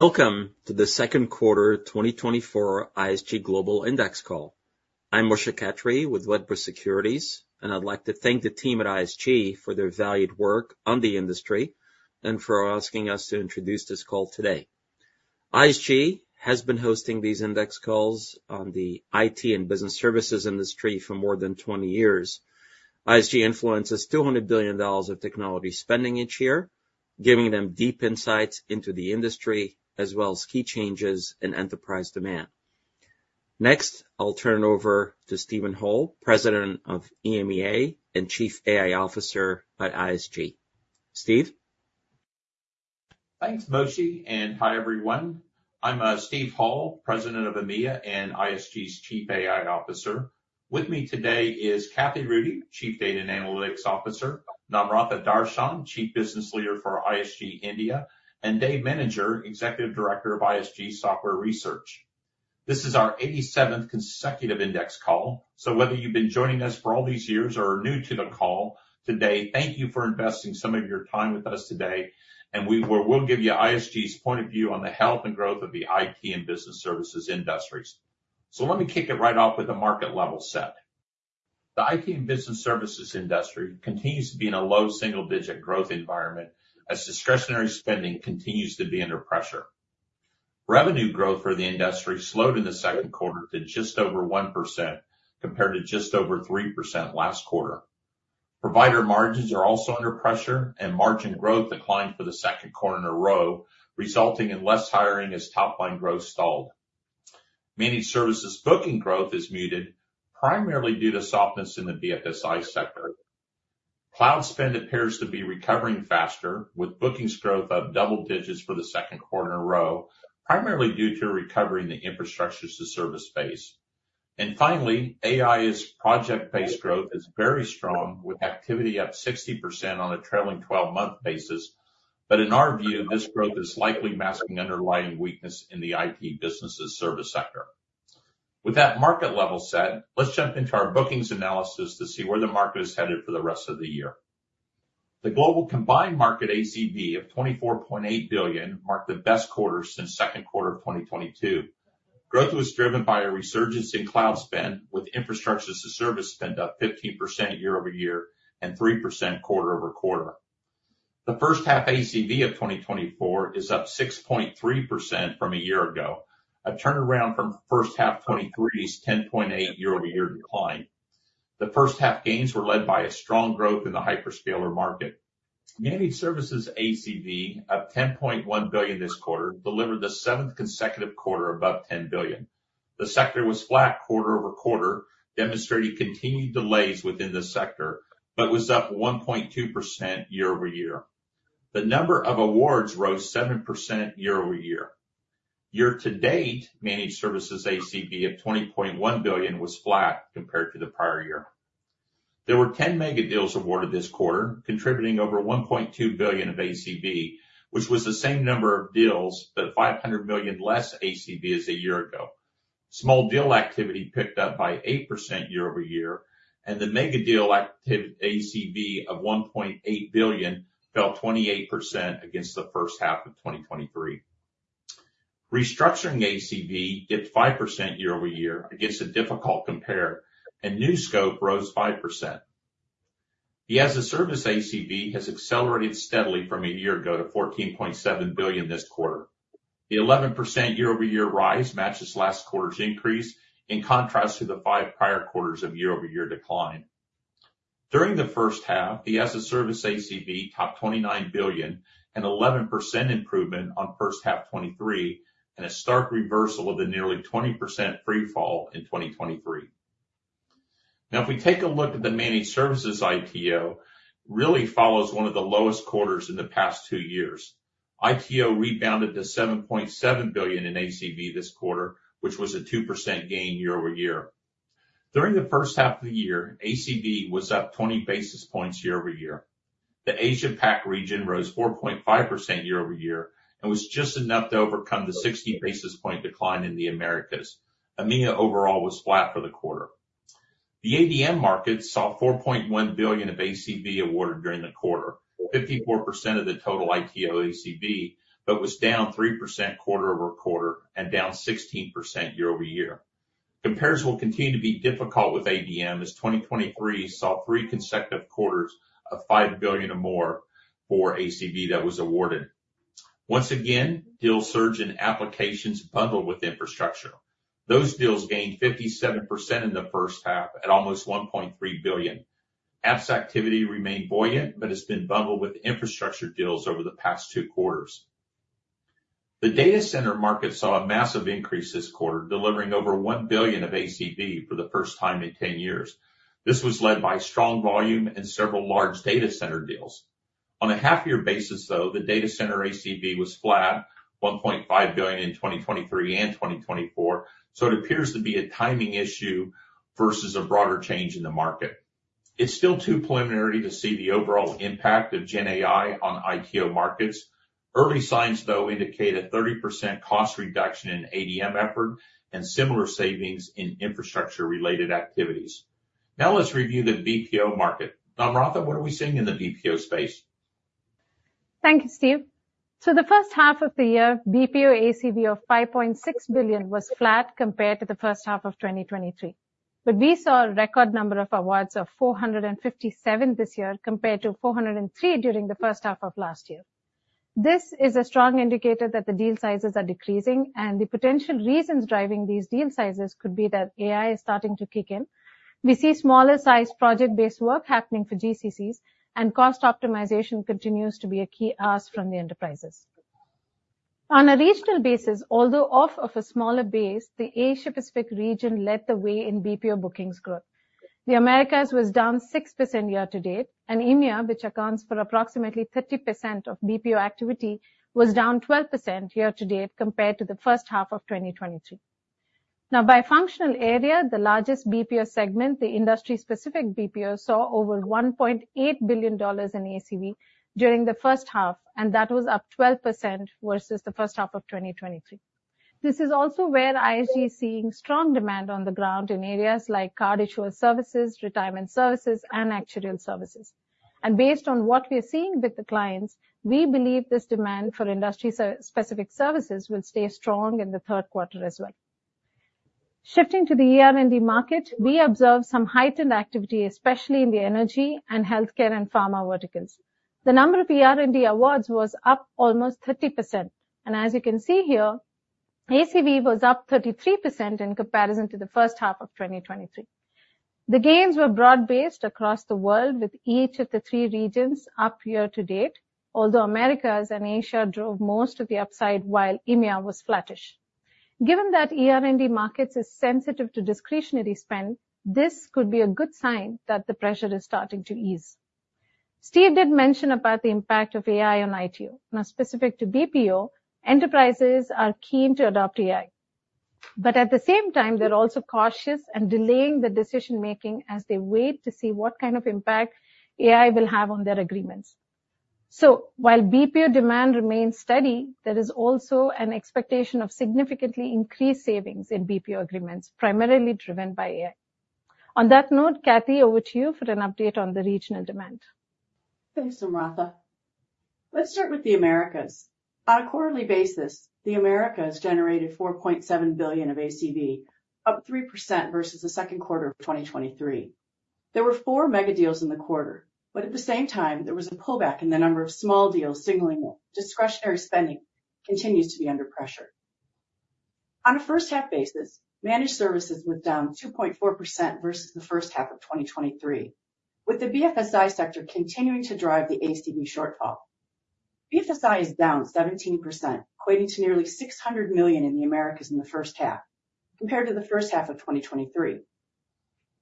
...Welcome to the second quarter 2024 ISG Global Index call. I'm Moshe Katri with Wedbush Securities, and I'd like to thank the team at ISG for their valued work on the industry, and for asking us to introduce this call today. ISG has been hosting these index calls on the IT and business services industry for more than 20 years. ISG influences $200 billion of technology spending each year, giving them deep insights into the industry, as well as key changes in enterprise demand. Next, I'll turn it over to Steven Hall, President of EMEA and Chief AI Officer at ISG. Steve? Thanks, Moshe, and hi, everyone. I'm Steve Hall, President of EMEA, and ISG's Chief AI Officer. With me today is Kathy Rudy, Chief Data and Analytics Officer, Namratha Dharshan, Chief Business Leader for ISG India, and Dave Menninger, Executive Director of ISG Software Research. This is our 87th consecutive index call, so whether you've been joining us for all these years or are new to the call today, thank you for investing some of your time with us today, and we'll give you ISG's point of view on the health and growth of the IT and business services industries. Let me kick it right off with a market level set. The IT and business services industry continues to be in a low single-digit growth environment, as discretionary spending continues to be under pressure. Revenue growth for the industry slowed in the second quarter to just over 1%, compared to just over 3% last quarter. Provider margins are also under pressure, and margin growth declined for the second quarter in a row, resulting in less hiring as top-line growth stalled. Managed services booking growth is muted, primarily due to softness in the BFSI sector. Cloud spend appears to be recovering faster, with bookings growth up double digits for the second quarter in a row, primarily due to a recovery in the infrastructure as a service space. Finally, AI's project-based growth is very strong, with activity up 60% on a trailing 12-month basis. But in our view, this growth is likely masking underlying weakness in the IT business' service sector. With that market level set, let's jump into our bookings analysis to see where the market is headed for the rest of the year. The global combined market ACV of $24.8 billion marked the best quarter since second quarter of 2022. Growth was driven by a resurgence in cloud spend, with infrastructure as a service spend up 15% year-over-year, and 3% quarter-over-quarter. The first half ACV of 2024 is up 6.3% from a year ago, a turnaround from first half 2023's 10.8 year-over-year decline. The first half gains were led by a strong growth in the hyperscaler market. Managed services ACV of $10.1 billion this quarter delivered the seventh consecutive quarter above $10 billion. The sector was flat quarter-over-quarter, demonstrating continued delays within the sector, but was up 1.2% year-over-year. The number of awards rose 7% year-over-year. Year to date, managed services ACV of $20.1 billion was flat compared to the prior year. There were 10 mega deals awarded this quarter, contributing over $1.2 billion of ACV, which was the same number of deals, but $500 million less ACV as a year ago. Small deal activity picked up by 8% year-over-year, and the mega deal activity ACV of $1.8 billion fell 28% against the first half of 2023. Restructuring ACV dipped 5% year-over-year against a difficult compare, and new scope rose 5%. The as-a-service ACV has accelerated steadily from a year ago to $14.7 billion this quarter. The 11% year-over-year rise matches last quarter's increase, in contrast to the 5 prior quarters of year-over-year decline. During the first half, the as-a-service ACV topped $29 billion, an 11% improvement on first half 2023, and a stark reversal of the nearly 20% freefall in 2023. Now, if we take a look at the managed services ITO, really follows 1 of the lowest quarters in the past 2 years. ITO rebounded to $7.7 billion in ACV this quarter, which was a 2% gain year-over-year. During the first half of the year, ACV was up 20 basis points year-over-year. The Asia Pac region rose 4.5% year-over-year, and was just enough to overcome the 60 basis point decline in the Americas. EMEA overall was flat for the quarter. The ADM market saw $4.1 billion of ACV awarded during the quarter, 54% of the total ITO ACV, but was down 3% quarter-over-quarter and down 16% year-over-year. Comparables will continue to be difficult with ADM, as 2023 saw three consecutive quarters of $5 billion or more for ACV that was awarded. Once again, deals surged in applications bundled with infrastructure. Those deals gained 57% in the first half at almost $1.3 billion. Apps activity remained buoyant, but has been bundled with infrastructure deals over the past two quarters. The data center market saw a massive increase this quarter, delivering over $1 billion of ACV for the first time in ten years. This was led by strong volume and several large data center deals. On a half-year basis, though, the data center ACV was flat, $1.5 billion in 2023 and 2024, so it appears to be a timing issue versus a broader change in the market. It's still too preliminary to see the overall impact of GenAI on ITO markets. Early signs, though, indicate a 30% cost reduction in ADM effort and similar savings in infrastructure-related activities.... Now let's review the BPO market. Namratha, what are we seeing in the BPO space? Thank you, Steve. So the first half of the year, BPO ACV of $5.6 billion was flat compared to the first half of 2023, but we saw a record number of awards of 457 this year, compared to 403 during the first half of last year. This is a strong indicator that the deal sizes are decreasing, and the potential reasons driving these deal sizes could be that AI is starting to kick in. We see smaller sized project-based work happening for GCCs, and cost optimization continues to be a key ask from the enterprises. On a regional basis, although off of a smaller base, the Asia Pacific region led the way in BPO bookings growth. The Americas was down 6% year to date, and EMEA, which accounts for approximately 30% of BPO activity, was down 12% year to date compared to the first half of 2023. Now, by functional area, the largest BPO segment, the industry-specific BPO, saw over $1.8 billion in ACV during the first half, and that was up 12% versus the first half of 2023. This is also where ISG is seeing strong demand on the ground in areas like card issuer services, retirement services, and actuarial services. And based on what we are seeing with the clients, we believe this demand for industry-specific services will stay strong in the third quarter as well. Shifting to the ER&D market, we observed some heightened activity, especially in the energy and healthcare and pharma verticals. The number of ER&D awards was up almost 30%, and as you can see here, ACV was up 33% in comparison to the first half of 2023. The gains were broad-based across the world, with each of the three regions up year to date, although Americas and Asia drove most of the upside while EMEA was flattish. Given that ER&D markets is sensitive to discretionary spend, this could be a good sign that the pressure is starting to ease. Steve did mention about the impact of AI on ITO. Now, specific to BPO, enterprises are keen to adopt AI, but at the same time, they're also cautious and delaying the decision-making as they wait to see what kind of impact AI will have on their agreements. So while BPO demand remains steady, there is also an expectation of significantly increased savings in BPO agreements, primarily driven by AI. On that note, Kathy, over to you for an update on the regional demand. Thanks, Namratha. Let's start with the Americas. On a quarterly basis, the Americas generated $4.7 billion of ACV, up 3% versus the second quarter of 2023. There were 4 mega deals in the quarter, but at the same time, there was a pullback in the number of small deals, signaling that discretionary spending continues to be under pressure. On a first half basis, managed services was down 2.4% versus the first half of 2023, with the BFSI sector continuing to drive the ACV shortfall. BFSI is down 17%, equating to nearly $600 million in the Americas in the first half compared to the first half of 2023.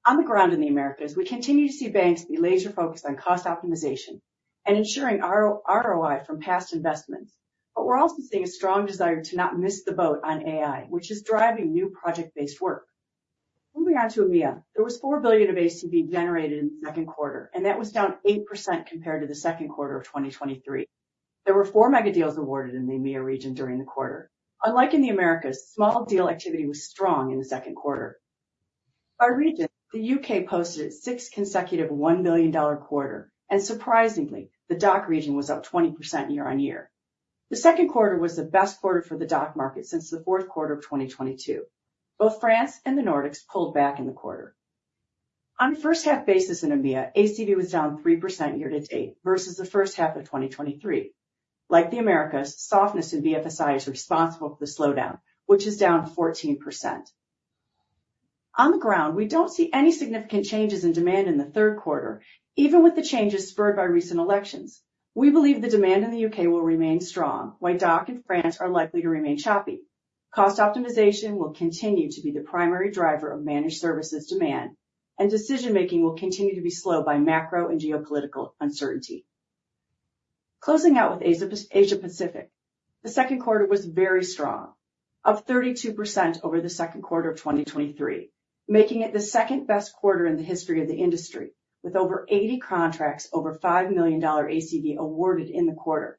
On the ground in the Americas, we continue to see banks be laser-focused on cost optimization and ensuring ROI from past investments. But we're also seeing a strong desire to not miss the boat on AI, which is driving new project-based work. Moving on to EMEA. There was $4 billion of ACV generated in the second quarter, and that was down 8% compared to the second quarter of 2023. There were 4 mega deals awarded in the EMEA region during the quarter. Unlike in the Americas, small deal activity was strong in the second quarter. By region, the U.K. posted its sixth consecutive $1 billion quarter, and surprisingly, the DACH region was up 20% year-on-year. The second quarter was the best quarter for the DACH market since the fourth quarter of 2022. Both France and the Nordics pulled back in the quarter. On a first half basis in EMEA, ACV was down 3% year-to-date versus the first half of 2023. Like the Americas, softness in BFSI is responsible for the slowdown, which is down 14%. On the ground, we don't see any significant changes in demand in the third quarter, even with the changes spurred by recent elections. We believe the demand in the U.K. will remain strong, while DACH and France are likely to remain choppy. Cost optimization will continue to be the primary driver of managed services demand, and decision-making will continue to be slow by macro and geopolitical uncertainty. Closing out with Asia Pacific, the second quarter was very strong, up 32% over the second quarter of 2023, making it the second-best quarter in the history of the industry, with over 80 contracts over $5 million ACV awarded in the quarter.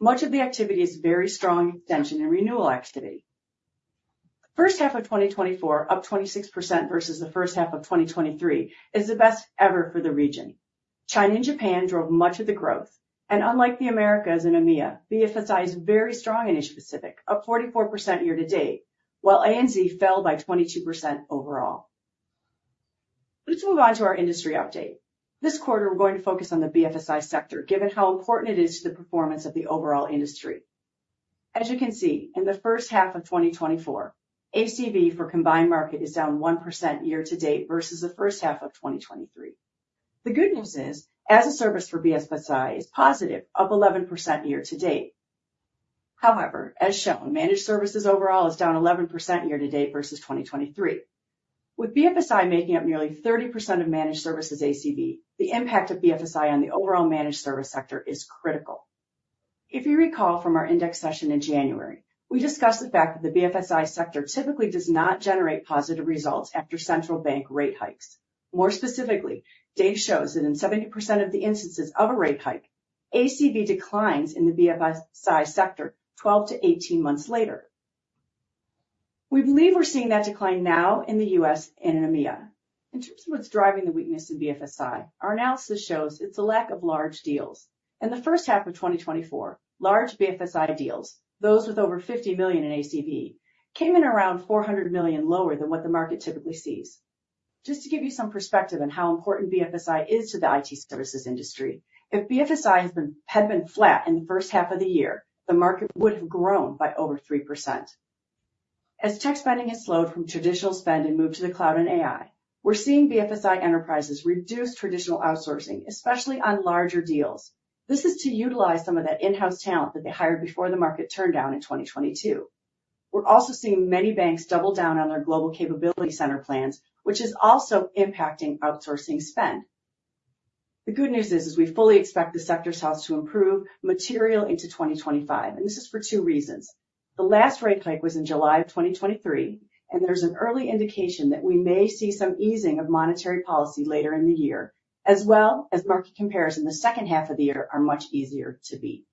Much of the activity is very strong extension and renewal activity. First half of 2024, up 26% versus the first half of 2023, is the best ever for the region. China and Japan drove much of the growth, and unlike the Americas and EMEA, BFSI is very strong in Asia Pacific, up 44% year to date, while ANZ fell by 22% overall. Let's move on to our industry update. This quarter, we're going to focus on the BFSI sector, given how important it is to the performance of the overall industry. As you can see, in the first half of 2024, ACV for combined market is down 1% year to date versus the first half of 2023. The good news is, as a service for BFSI is positive, up 11% year to date. However, as shown, managed services overall is down 11% year to date versus 2023. With BFSI making up nearly 30% of managed services ACV, the impact of BFSI on the overall managed service sector is critical. If you recall from our index session in January, we discussed the fact that the BFSI sector typically does not generate positive results after central bank rate hikes. More specifically, data shows that in 70% of the instances of a rate hike, ACV declines in the BFSI sector 12-18 months later. We believe we're seeing that decline now in the U.S. and in EMEA. In terms of what's driving the weakness in BFSI, our analysis shows it's a lack of large deals. In the first half of 2024, large BFSI deals, those with over $50 million in ACV, came in around $400 million lower than what the market typically sees. Just to give you some perspective on how important BFSI is to the IT services industry, if BFSI had been flat in the first half of the year, the market would have grown by over 3%. As tech spending has slowed from traditional spend and moved to the cloud and AI, we're seeing BFSI enterprises reduce traditional outsourcing, especially on larger deals. This is to utilize some of that in-house talent that they hired before the market turndown in 2022. We're also seeing many banks double down on their global capability center plans, which is also impacting outsourcing spend. The good news is we fully expect the sector's health to improve materially into 2025, and this is for two reasons. The last rate hike was in July of 2023, and there's an early indication that we may see some easing of monetary policy later in the year, as well as market comparison, the second half of the year are much easier to beat.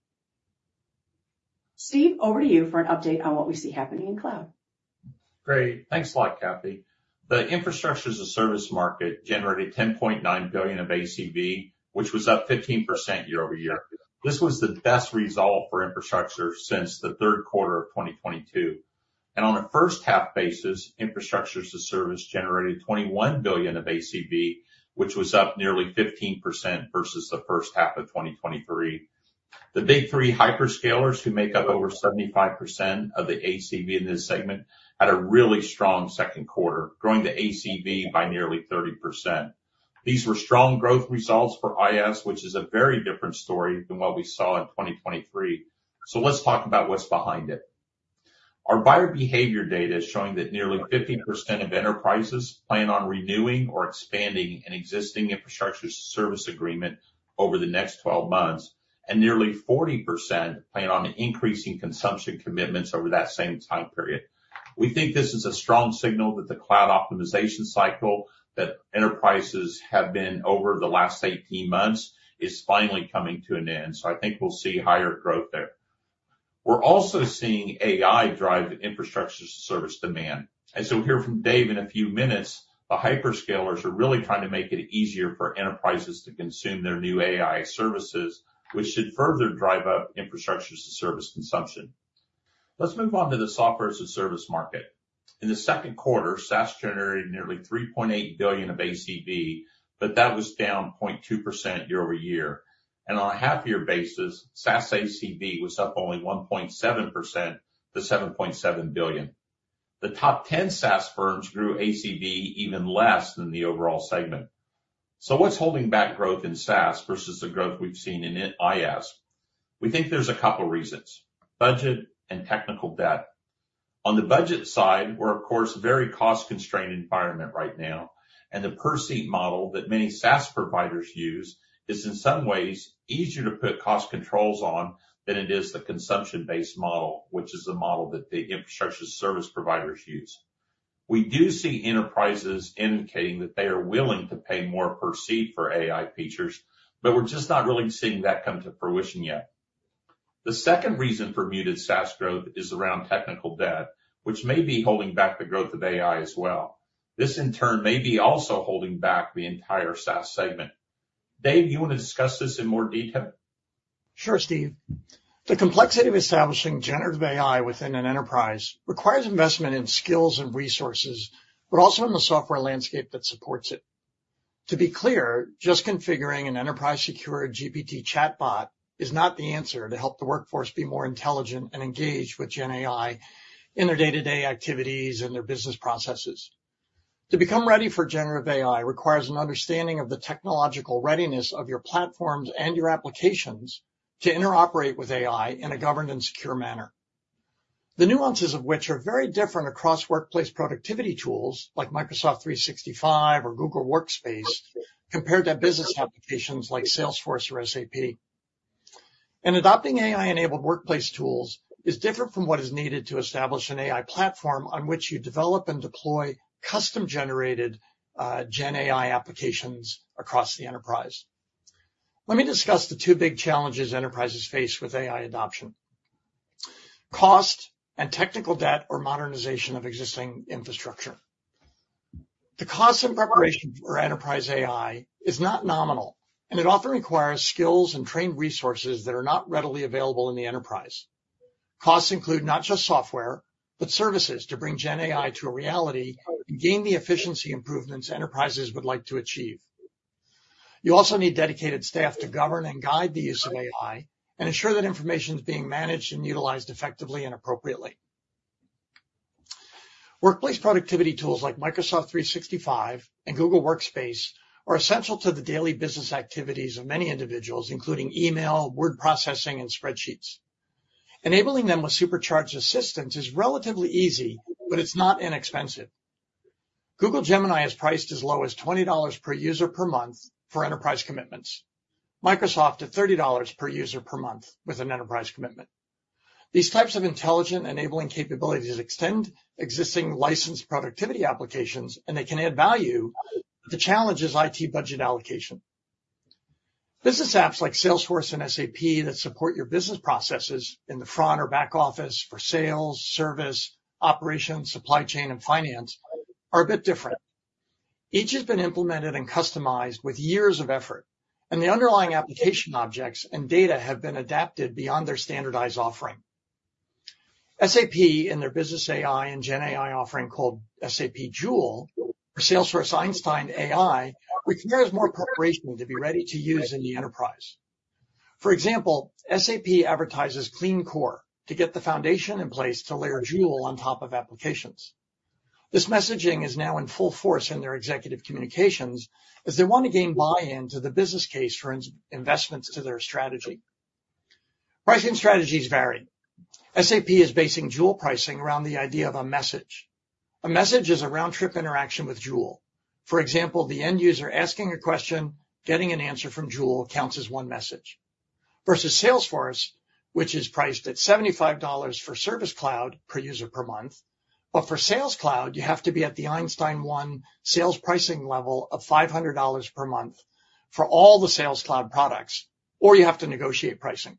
Steve, over to you for an update on what we see happening in cloud. Great. Thanks a lot, Kathy. The infrastructure as a service market generated $10.9 billion of ACV, which was up 15% year-over-year. This was the best result for infrastructure since the third quarter of 2022, and on a first-half basis, infrastructure as a service generated $21 billion of ACV, which was up nearly 15% versus the first half of 2023. The big three hyperscalers, who make up over 75% of the ACV in this segment, had a really strong second quarter, growing the ACV by nearly 30%. These were strong growth results for IaaS, which is a very different story than what we saw in 2023. So let's talk about what's behind it. Our buyer behavior data is showing that nearly 50% of enterprises plan on renewing or expanding an existing infrastructure service agreement over the next 12 months, and nearly 40% plan on increasing consumption commitments over that same time period. We think this is a strong signal that the cloud optimization cycle that enterprises have been over the last 18 months is finally coming to an end. So I think we'll see higher growth there. We're also seeing AI drive infrastructure as a service demand, and as we'll hear from Dave in a few minutes, the hyperscalers are really trying to make it easier for enterprises to consume their new AI services, which should further drive up infrastructure as a service consumption. Let's move on to the software as a service market. In the second quarter, SaaS generated nearly $3.8 billion of ACV, but that was down 0.2% year-over-year. On a half-year basis, SaaS ACV was up only 1.7% to $7.7 billion. The top 10 SaaS firms grew ACV even less than the overall segment. So what's holding back growth in SaaS versus the growth we've seen in IaaS? We think there's a couple reasons: budget and technical debt. On the budget side, we're, of course, a very cost-constrained environment right now, and the per-seat model that many SaaS providers use is, in some ways, easier to put cost controls on than it is the consumption-based model, which is the model that the infrastructure service providers use. We do see enterprises indicating that they are willing to pay more per seat for AI features, but we're just not really seeing that come to fruition yet. The second reason for muted SaaS growth is around technical debt, which may be holding back the growth of AI as well. This, in turn, may be also holding back the entire SaaS segment. Dave, do you want to discuss this in more detail? Sure, Steve. The complexity of establishing generative AI within an enterprise requires investment in skills and resources, but also in the software landscape that supports it. To be clear, just configuring an enterprise secure GPT chatbot is not the answer to help the workforce be more intelligent and engaged with GenAI in their day-to-day activities and their business processes. To become ready for generative AI requires an understanding of the technological readiness of your platforms and your applications to interoperate with AI in a governed and secure manner. The nuances of which are very different across workplace productivity tools like Microsoft 365 or Google Workspace, compared to business applications like Salesforce or SAP. Adopting AI-enabled workplace tools is different from what is needed to establish an AI platform on which you develop and deploy custom-generated GenAI applications across the enterprise. Let me discuss the two big challenges enterprises face with AI adoption: cost and technical debt or modernization of existing infrastructure. The cost and preparation for enterprise AI is not nominal, and it often requires skills and trained resources that are not readily available in the enterprise. Costs include not just software, but services to bring GenAI to a reality and gain the efficiency improvements enterprises would like to achieve. You also need dedicated staff to govern and guide the use of AI and ensure that information is being managed and utilized effectively and appropriately. Workplace productivity tools like Microsoft 365 and Google Workspace are essential to the daily business activities of many individuals, including email, word processing, and spreadsheets. Enabling them with supercharged assistance is relatively easy, but it's not inexpensive. Google Gemini is priced as low as $20 per user per month for enterprise commitments. Microsoft at $30 per user per month with an enterprise commitment. These types of intelligent enabling capabilities extend existing licensed productivity applications, and they can add value. The challenge is IT budget allocation. Business apps like Salesforce and SAP that support your business processes in the front or back office for sales, service, operations, supply chain, and finance are a bit different. Each has been implemented and customized with years of effort, and the underlying application objects and data have been adapted beyond their standardized offering. SAP, in their business AI and GenAI offering called SAP Joule, or Salesforce Einstein AI, which requires more preparation to be ready to use in the enterprise. For example, SAP advertises Clean Core to get the foundation in place to layer Joule on top of applications. This messaging is now in full force in their executive communications, as they want to gain buy-in to the business case for investments to their strategy. Pricing strategies vary. SAP is basing Joule pricing around the idea of a message. A message is a round-trip interaction with Joule. For example, the end user asking a question, getting an answer from Joule counts as one message. Versus Salesforce, which is priced at $75 for Service Cloud per user, per month. But for Sales Cloud, you have to be at the Einstein 1 sales pricing level of $500 per month for all the Sales Cloud products, or you have to negotiate pricing.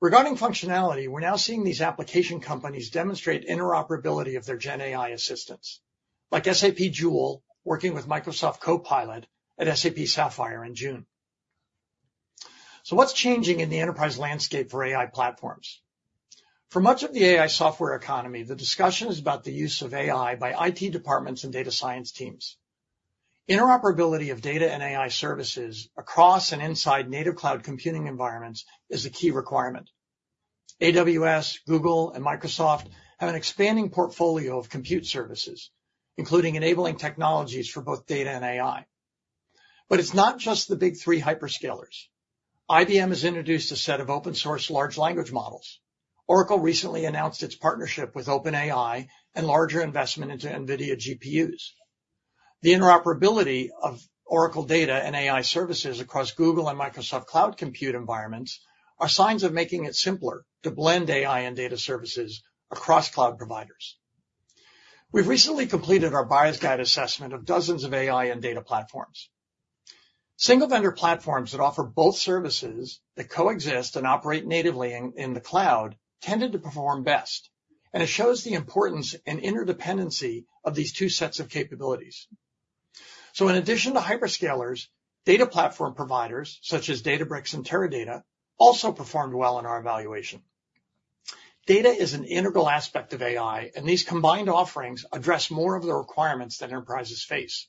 Regarding functionality, we're now seeing these application companies demonstrate interoperability of their GenAI assistants, like SAP Joule working with Microsoft Copilot at SAP Sapphire in June. So what's changing in the enterprise landscape for AI platforms? For much of the AI software economy, the discussion is about the use of AI by IT departments and data science teams. Interoperability of data and AI services across and inside native cloud computing environments is a key requirement. AWS, Google, and Microsoft have an expanding portfolio of compute services, including enabling technologies for both data and AI. But it's not just the big three hyperscalers. IBM has introduced a set of open source large language models. Oracle recently announced its partnership with OpenAI and larger investment into NVIDIA GPUs. The interoperability of Oracle data and AI services across Google and Microsoft Cloud Compute environments are signs of making it simpler to blend AI and data services across cloud providers. We've recently completed our buyer's guide assessment of dozens of AI and data platforms. Single vendor platforms that offer both services that coexist and operate natively in the cloud tended to perform best, and it shows the importance and interdependency of these two sets of capabilities. So in addition to hyperscalers, data platform providers, such as Databricks and Teradata, also performed well in our evaluation. Data is an integral aspect of AI, and these combined offerings address more of the requirements that enterprises face.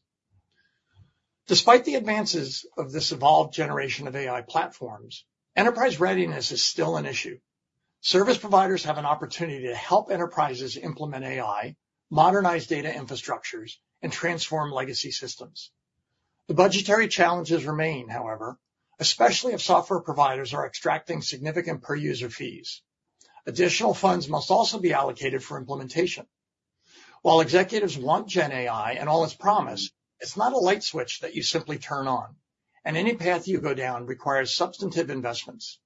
Despite the advances of this evolved generation of AI platforms, enterprise readiness is still an issue. Service providers have an opportunity to help enterprises implement AI, modernize data infrastructures, and transform legacy systems. The budgetary challenges remain, however, especially if software providers are extracting significant per-user fees. Additional funds must also be allocated for implementation. While executives want GenAI and all its promise, it's not a light switch that you simply turn on, and any path you go down requires substantive investments.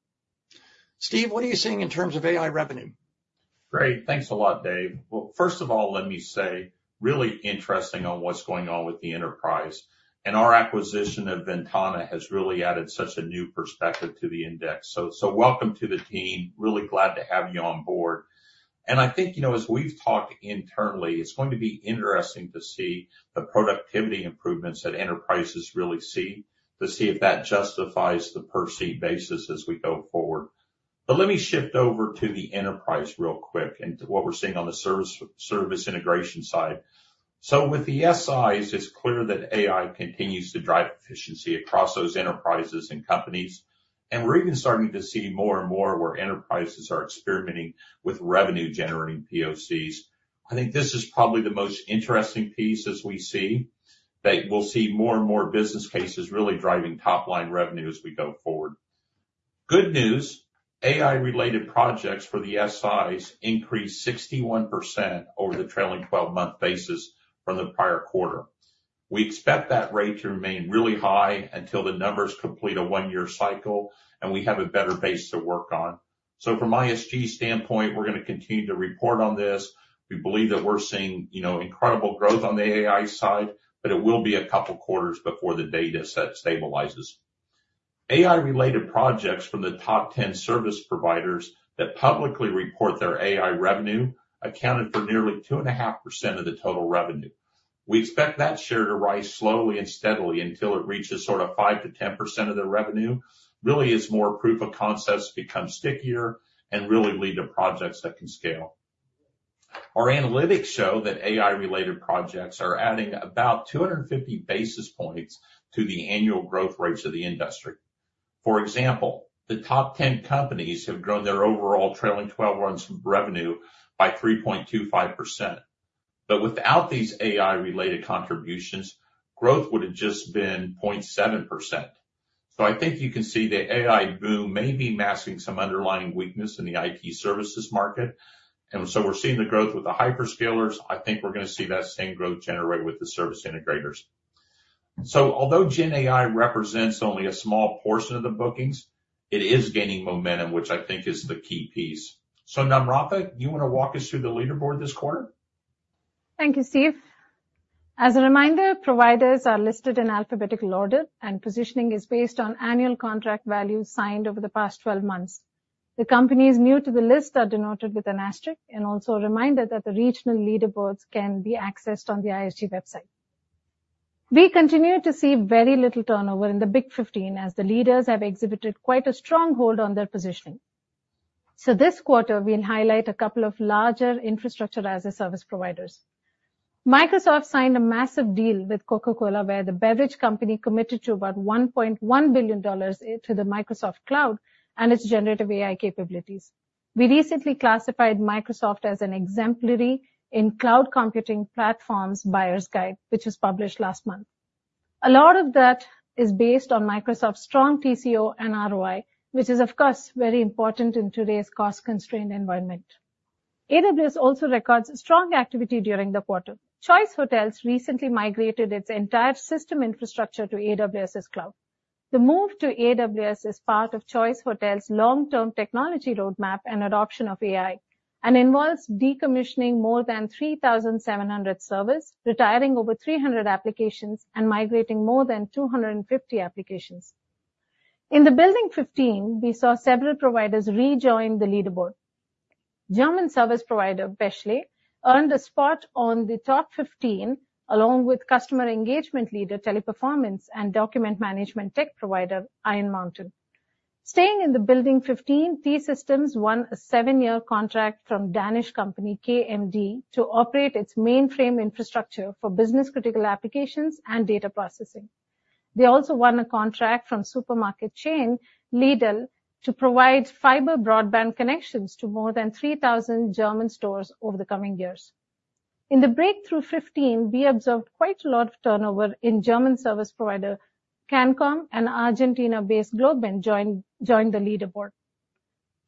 Steve, what are you seeing in terms of AI revenue? Great. Thanks a lot, Dave. Well, first of all, let me say, really interesting on what's going on with the enterprise, and our acquisition of Ventana has really added such a new perspective to the index. So welcome to the team. Really glad to have you on board. And I think, you know, as we've talked internally, it's going to be interesting to see the productivity improvements that enterprises really see, to see if that justifies the per-seat basis as we go forward. But let me shift over to the enterprise real quick and to what we're seeing on the service integration side. So with the SIs, it's clear that AI continues to drive efficiency across those enterprises and companies, and we're even starting to see more and more where enterprises are experimenting with revenue-generating POCs. I think this is probably the most interesting piece as we see that we'll see more and more business cases really driving top-line revenue as we go forward. Good news, AI-related projects for the SIs increased 61% over the trailing 12-month basis from the prior quarter. We expect that rate to remain really high until the numbers complete a one-year cycle, and we have a better base to work on. So from ISG's standpoint, we're gonna continue to report on this. We believe that we're seeing, you know, incredible growth on the AI side, but it will be a couple quarters before the data set stabilizes. AI-related projects from the top 10 service providers that publicly report their AI revenue accounted for nearly 2.5% of the total revenue. We expect that share to rise slowly and steadily until it reaches sort of 5%-10% of their revenue, really as more proof of concepts become stickier and really lead to projects that can scale. Our analytics show that AI-related projects are adding about 250 basis points to the annual growth rates of the industry. For example, the top ten companies have grown their overall trailing 12 months revenue by 3.25%. But without these AI-related contributions, growth would have just been 0.7%. So I think you can see the AI boom may be masking some underlying weakness in the IT services market, and so we're seeing the growth with the hyperscalers. I think we're gonna see that same growth generate with the service integrators. So although GenAI represents only a small portion of the bookings, it is gaining momentum, which I think is the key piece. So Namratha, do you wanna walk us through the leaderboard this quarter?... Thank you, Steve. As a reminder, providers are listed in alphabetical order, and positioning is based on annual contract values signed over the past 12 months. The companies new to the list are denoted with an asterisk, and also a reminder that the regional leaderboards can be accessed on the ISG website. We continue to see very little turnover in the Big 15 as the leaders have exhibited quite a strong hold on their positioning. This quarter, we'll highlight a couple of larger infrastructure as a service providers. Microsoft signed a massive deal with Coca-Cola, where the beverage company committed to about $1.1 billion into the Microsoft Cloud and its generative AI capabilities. We recently classified Microsoft as an exemplary in cloud computing platforms buyer's guide, which was published last month. A lot of that is based on Microsoft's strong TCO and ROI, which is, of course, very important in today's cost-constrained environment. AWS also records strong activity during the quarter. Choice Hotels recently migrated its entire system infrastructure to AWS's cloud. The move to AWS is part of Choice Hotels' long-term technology roadmap and adoption of AI, and involves decommissioning more than 3,700 servers, retiring over 300 applications, and migrating more than 250 applications. In the Building 15, we saw several providers rejoin the leaderboard. German service provider, Bechtle, earned a spot on the top 15, along with customer engagement leader, Teleperformance, and document management tech provider, Iron Mountain. Staying in the Building 15, T-Systems won a 7-year contract from Danish company KMD, to operate its mainframe infrastructure for business-critical applications and data processing. They also won a contract from supermarket chain, Lidl, to provide fiber broadband connections to more than 3,000 German stores over the coming years. In the Breakthrough 15, we observed quite a lot of turnover in German service provider, Cancom, and Argentina-based Globant joined the leaderboard.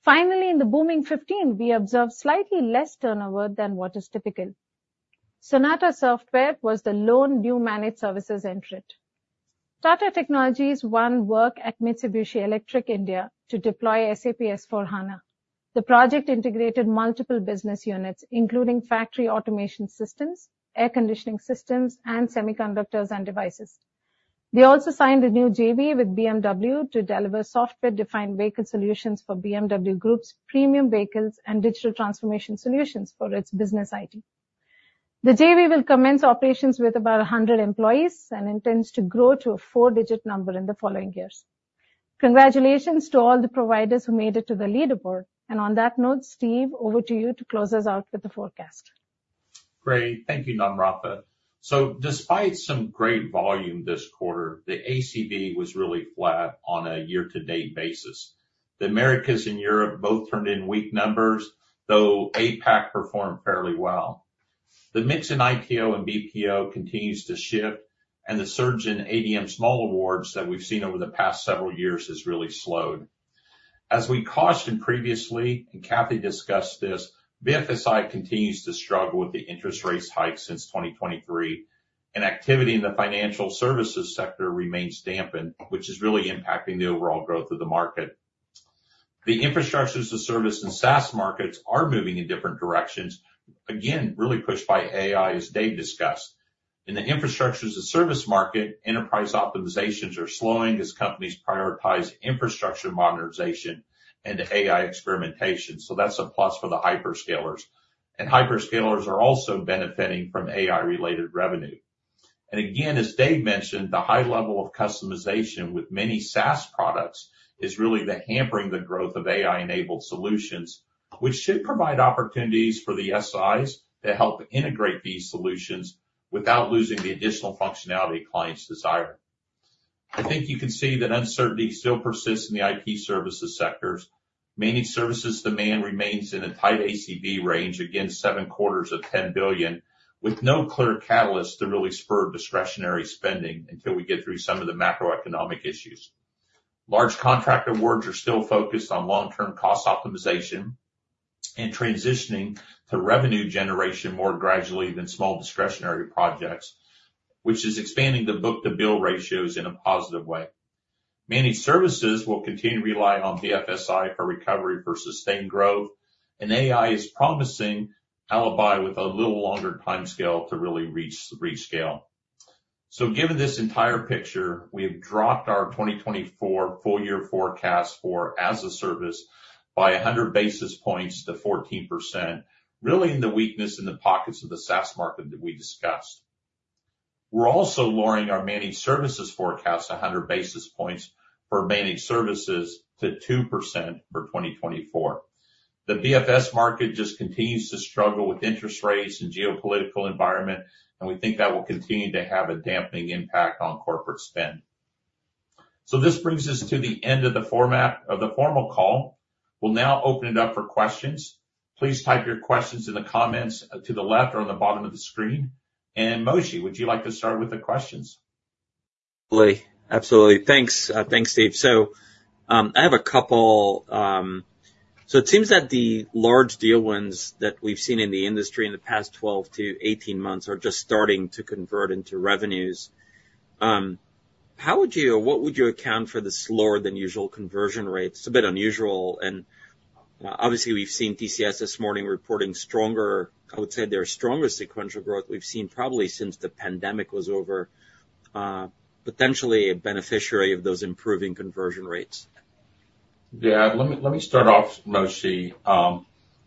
Finally, in the Booming 15, we observed slightly less turnover than what is typical. Sonata Software was the lone new managed services entrant. Tata Technologies won work at Mitsubishi Electric India to deploy SAP S/4HANA. The project integrated multiple business units, including factory automation systems, air conditioning systems, and semiconductors and devices. They also signed a new JV with BMW to deliver software-defined vehicle solutions for BMW Group's premium vehicles and digital transformation solutions for its business IT. The JV will commence operations with about 100 employees and intends to grow to a four-digit number in the following years. Congratulations to all the providers who made it to the leaderboard. On that note, Steve, over to you to close us out with the forecast. Great. Thank you, Namratha. So despite some great volume this quarter, the ACV was really flat on a year-to-date basis. The Americas and Europe both turned in weak numbers, though APAC performed fairly well. The mix in ITO and BPO continues to shift, and the surge in ADM small awards that we've seen over the past several years has really slowed. As we cautioned previously, and Kathy discussed this, BFSI continues to struggle with the interest rates hike since 2023, and activity in the financial services sector remains dampened, which is really impacting the overall growth of the market. The infrastructure as a service and SaaS markets are moving in different directions, again, really pushed by AI, as Dave discussed. In the infrastructure as a service market, enterprise optimizations are slowing as companies prioritize infrastructure modernization and AI experimentation, so that's a plus for the hyperscalers. Hyperscalers are also benefiting from AI-related revenue. Again, as Dave mentioned, the high level of customization with many SaaS products is really the hampering the growth of AI-enabled solutions, which should provide opportunities for the SIs to help integrate these solutions without losing the additional functionality clients desire. I think you can see that uncertainty still persists in the IT services sectors. Managed services demand remains in a tight ACV range, again, 7 quarters of $10 billion, with no clear catalyst to really spur discretionary spending until we get through some of the macroeconomic issues. Large contract awards are still focused on long-term cost optimization and transitioning to revenue generation more gradually than small discretionary projects, which is expanding the book-to-bill ratios in a positive way. Managed services will continue to rely on BFSI for recovery for sustained growth, and AI is promising ally with a little longer timescale to really reach scale. So given this entire picture, we have dropped our 2024 full year forecast for as a service by 100 basis points to 14%, really in the weakness in the pockets of the SaaS market that we discussed. We're also lowering our managed services forecast 100 basis points for managed services to 2% for 2024. The BFS market just continues to struggle with interest rates and geopolitical environment, and we think that will continue to have a damping impact on corporate spend. So this brings us to the end of the formal portion of the call. We'll now open it up for questions. Please type your questions in the comments, to the left or on the bottom of the screen. Moshe, would you like to start with the questions? Absolutely. Absolutely. Thanks, thanks, Steve. So it seems that the large deal wins that we've seen in the industry in the past 12-18 months are just starting to convert into revenues.... How would you, or what would you account for the slower than usual conversion rates? It's a bit unusual, and, obviously, we've seen TCS this morning reporting stronger, I would say their strongest sequential growth we've seen probably since the pandemic was over, potentially a beneficiary of those improving conversion rates. Yeah, let me, let me start off, Moshe,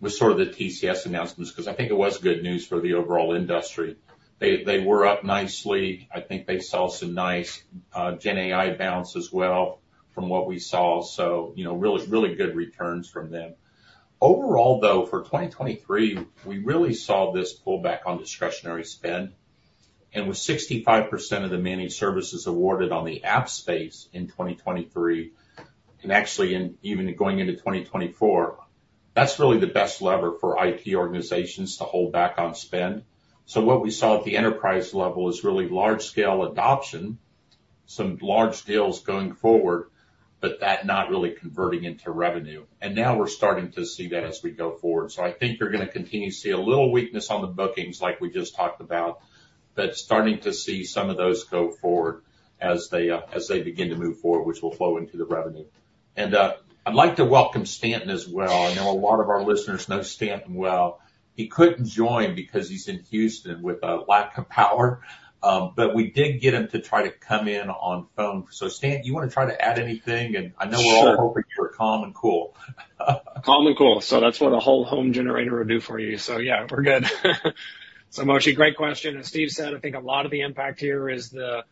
with sort of the TCS announcements, 'cause I think it was good news for the overall industry. They, they were up nicely. I think they saw some nice, GenAI bounce as well from what we saw, so, you know, really, really good returns from them. Overall, though, for 2023, we really saw this pullback on discretionary spend, and with 65% of the managed services awarded on the app space in 2023, and actually, even going into 2024, that's really the best lever for IT organizations to hold back on spend. So what we saw at the enterprise level is really large scale adoption, some large deals going forward, but that not really converting into revenue. And now we're starting to see that as we go forward. So I think you're gonna continue to see a little weakness on the bookings, like we just talked about, but starting to see some of those go forward as they begin to move forward, which will flow into the revenue. And, I'd like to welcome Stanton as well. I know a lot of our listeners know Stanton well. He couldn't join because he's in Houston with a lack of power, but we did get him to try to come in on phone. So Stanton, you wanna try to add anything? Sure. I know we're all hoping you are calm and cool. Calm and cool. So that's what a whole home generator will do for you. So yeah, we're good. So Moshe, great question. As Steve said, I think a lot of the impact here is the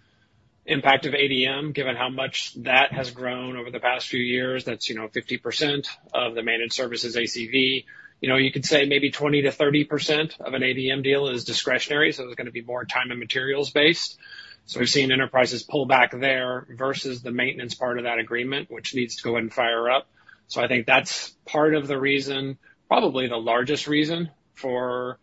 impact of ADM, given how much that has grown over the past few years. That's, you know, 50% of the managed services ACV. You know, you could say maybe 20%-30% of an ADM deal is discretionary, so there's gonna be more time and materials based. So we've seen enterprises pull back there versus the maintenance part of that agreement, which needs to go ahead and fire up. So I think that's part of the reason, probably the largest reason, for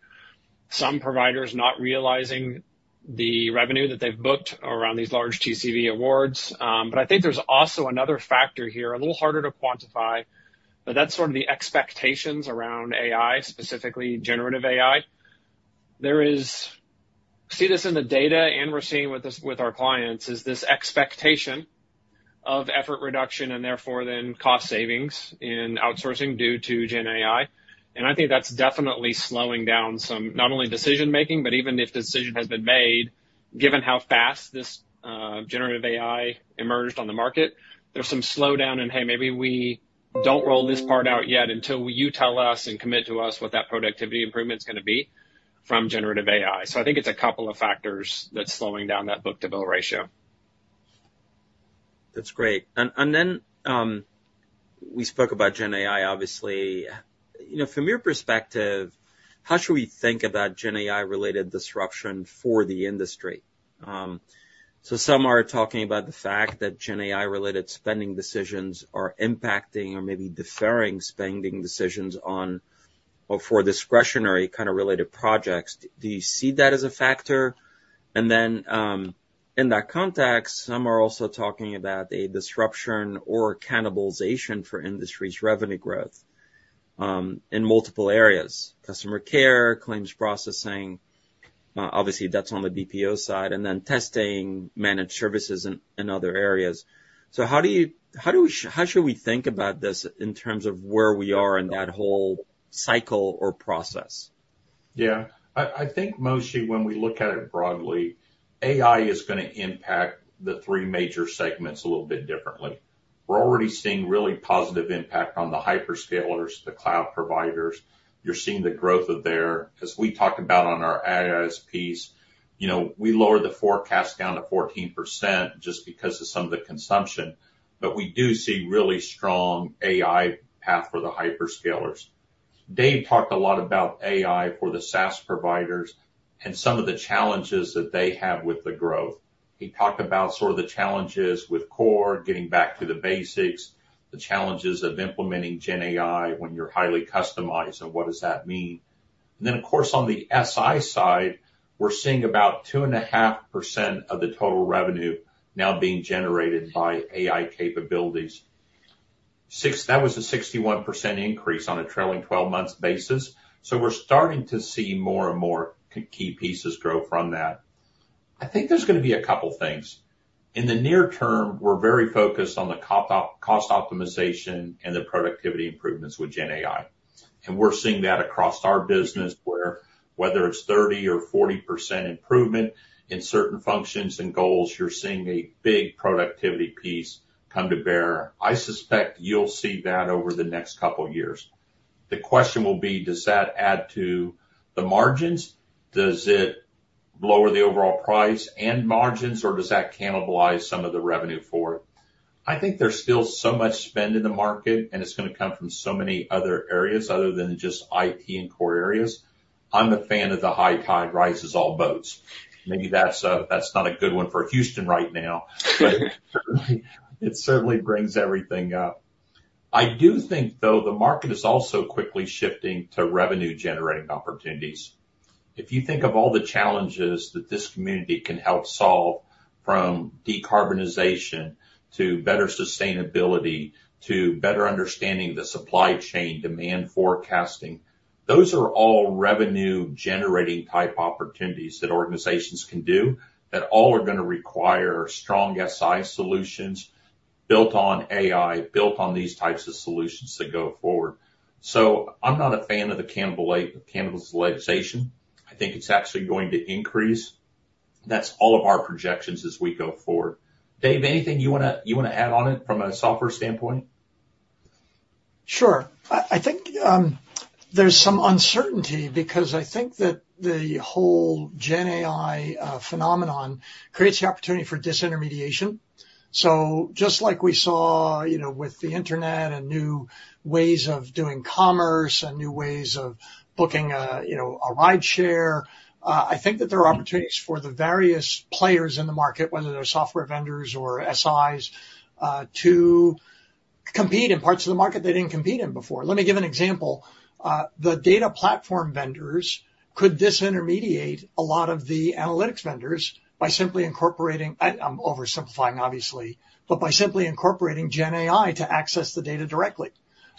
some providers not realizing the revenue that they've booked around these large TCV awards. But I think there's also another factor here, a little harder to quantify, but that's sort of the expectations around AI, specifically generative AI. We see this in the data, and we're seeing with this, with our clients, is this expectation of effort reduction and therefore then cost savings in outsourcing due to GenAI. And I think that's definitely slowing down some, not only decision making, but even if the decision has been made, given how fast this, generative AI emerged on the market, there's some slowdown in, "Hey, maybe we don't roll this part out yet until you tell us and commit to us what that productivity improvement is gonna be from generative AI." So I think it's a couple of factors that's slowing down that book-to-bill ratio. That's great. And then we spoke about GenAI, obviously. You know, from your perspective, how should we think about GenAI-related disruption for the industry? So some are talking about the fact that GenAI-related spending decisions are impacting or maybe deferring spending decisions on or for discretionary kind of related projects. Do you see that as a factor? And then, in that context, some are also talking about a disruption or cannibalization for industry's revenue growth, in multiple areas: customer care, claims processing, obviously, that's on the BPO side, and then testing, managed services in other areas. So how do we think about this in terms of where we are in that whole cycle or process? Yeah. I, I think, Moshe, when we look at it broadly, AI is gonna impact the three major segments a little bit differently. We're already seeing really positive impact on the hyperscalers, the cloud providers. You're seeing the growth of their... As we talked about on our IaaS piece, you know, we lowered the forecast down to 14% just because of some of the consumption, but we do see really strong AI path for the hyperscalers. Dave talked a lot about AI for the SaaS providers and some of the challenges that they have with the growth. He talked about sort of the challenges with core, getting back to the basics, the challenges of implementing GenAI when you're highly customized, and what does that mean? Then, of course, on the SI side, we're seeing about 2.5% of the total revenue now being generated by AI capabilities. That was a 61% increase on a trailing 12 months basis, so we're starting to see more and more key pieces grow from that. I think there's gonna be a couple things. In the near term, we're very focused on the cost optimization and the productivity improvements with GenAI. And we're seeing that across our business, where whether it's 30% or 40% improvement in certain functions and goals, you're seeing a big productivity piece come to bear. I suspect you'll see that over the next couple of years. The question will be: Does that add to the margins? Does it lower the overall price and margins, or does that cannibalize some of the revenue for it? I think there's still so much spend in the market, and it's gonna come from so many other areas other than just IT and core areas. I'm a fan of the high tide rises all boats. Maybe that's, that's not a good one for Houston right now, but it certainly brings everything up. I do think, though, the market is also quickly shifting to revenue-generating opportunities. If you think of all the challenges that this community can help solve, from decarbonization, to better sustainability, to better understanding the supply chain, demand forecasting, those are all revenue-generating type opportunities that organizations can do that all are gonna require strong SI solutions built on AI, built on these types of solutions that go forward. So I'm not a fan of the cannibalization. I think it's actually going to increase. That's all of our projections as we go forward. Dave, anything you wanna, you wanna add on it from a software standpoint? Sure. I, I think, there's some uncertainty because I think that the whole Gen AI phenomenon creates the opportunity for disintermediation. So just like we saw, you know, with the internet and new ways of doing commerce and new ways of booking a, you know, a rideshare, I think that there are opportunities for the various players in the market, whether they're software vendors or SIs, to compete in parts of the market they didn't compete in before. Let me give an example. The data platform vendors could disintermediate a lot of the analytics vendors by simply incorporating... oversimplifying, obviously, but by simply incorporating Gen AI to access the data directly.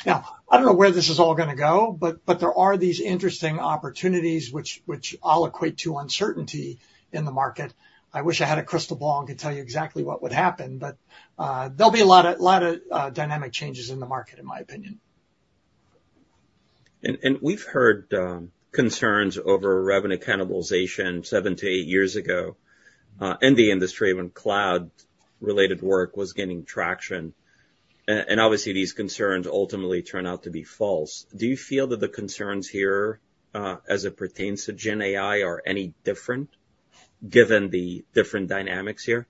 Now, I don't know where this is all gonna go, but, but there are these interesting opportunities which, which I'll equate to uncertainty in the market. I wish I had a crystal ball and could tell you exactly what would happen, but, there'll be a lot of, lot of, dynamic changes in the market, in my opinion. And we've heard concerns over revenue cannibalization 7-8 years ago in the industry, when cloud-related work was gaining traction. And obviously, these concerns ultimately turn out to be false. Do you feel that the concerns here, as it pertains to Gen AI, are any different, given the different dynamics here?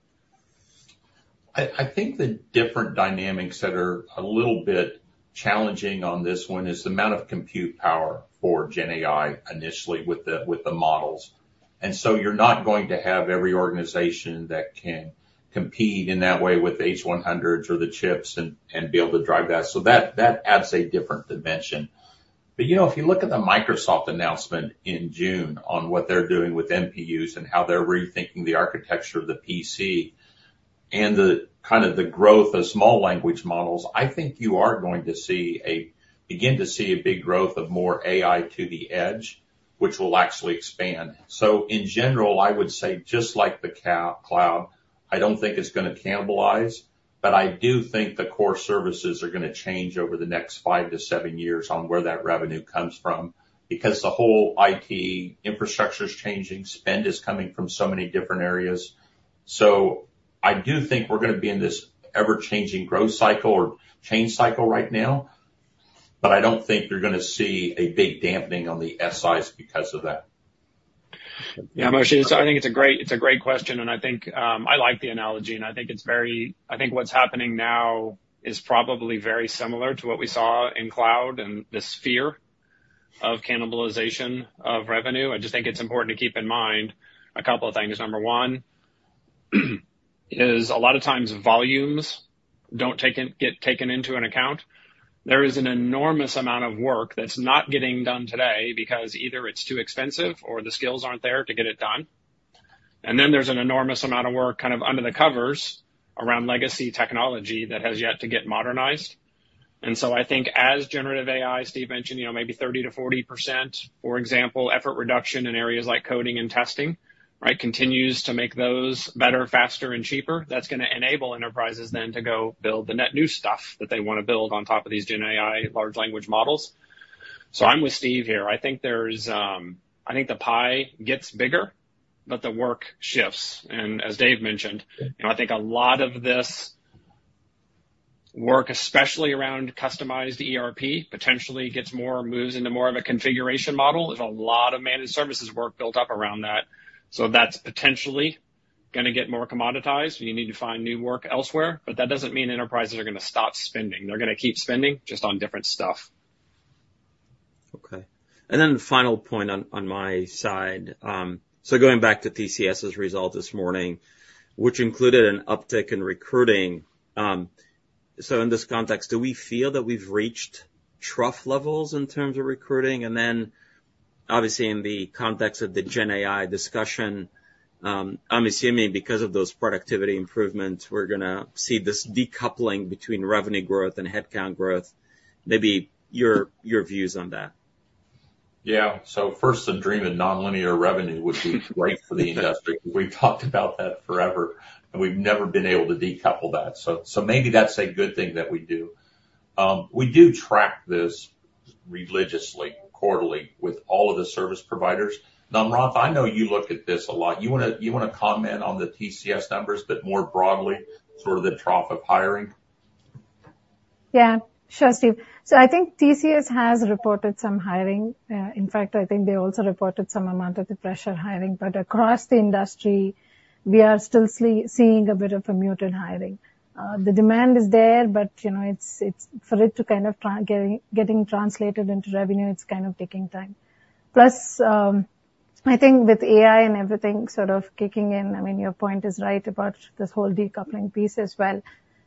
I think the different dynamics that are a little bit challenging on this one is the amount of compute power for Gen AI, initially, with the models. So you're not going to have every organization that can compete in that way with H100 or the chips and be able to drive that. So that adds a different dimension. But you know, if you look at the Microsoft announcement in June on what they're doing with NPUs and how they're rethinking the architecture of the PC, and kind of the growth of small language models, I think you are going to begin to see a big growth of more AI to the edge, which will actually expand. So in general, I would say, just like the cloud, I don't think it's gonna cannibalize, but I do think the core services are gonna change over the next 5-7 years on where that revenue comes from, because the whole IT infrastructure is changing. Spend is coming from so many different areas. So I do think we're gonna be in this ever-changing growth cycle or change cycle right now, but I don't think you're gonna see a big dampening on the SIs because of that. Yeah, Moshe, so I think it's a great, it's a great question, and I think, I like the analogy, and I think it's very... I think what's happening now is probably very similar to what we saw in cloud and this fear of cannibalization of revenue. I just think it's important to keep in mind a couple of things. Number one, a lot of times volumes don't get taken into account. There is an enormous amount of work that's not getting done today because either it's too expensive or the skills aren't there to get it done. And then there's an enormous amount of work, kind of, under the covers around legacy technology that has yet to get modernized. So I think as generative AI, Steve mentioned, you know, maybe 30%-40%, for example, effort reduction in areas like coding and testing, right? Continues to make those better, faster and cheaper, that's gonna enable enterprises then to go build the net new stuff that they wanna build on top of these Gen AI large language models. So I'm with Steve here. I think there's, I think the pie gets bigger, but the work shifts. As Dave mentioned, you know, I think a lot of this work, especially around customized ERP, potentially gets more, moves into more of a configuration model. There's a lot of managed services work built up around that. So that's potentially gonna get more commoditized, and you need to find new work elsewhere. But that doesn't mean enterprises are gonna stop spending. They're gonna keep spending, just on different stuff. Okay. Then the final point on my side. So going back to TCS's result this morning, which included an uptick in recruiting. So in this context, do we feel that we've reached trough levels in terms of recruiting? Then, obviously, in the context of the Gen AI discussion, I'm assuming because of those productivity improvements, we're gonna see this decoupling between revenue growth and headcount growth. Maybe your views on that. Yeah. So first, the dream of nonlinear revenue would be great for the industry. We've talked about that forever, and we've never been able to decouple that, so maybe that's a good thing that we do. We do track this religiously, quarterly, with all of the service providers. Namratha, I know you look at this a lot. You wanna comment on the TCS numbers, but more broadly, sort of, the trough of hiring? Yeah, sure, Steve. So I think TCS has reported some hiring. In fact, I think they also reported some amount of the fresher hiring. But across the industry, we are still seeing a bit of a muted hiring. The demand is there, but, you know, it's, it's... For it to kind of getting translated into revenue, it's kind of taking time. Plus, I think with AI and everything sort of kicking in, I mean, your point is right about this whole decoupling piece as well.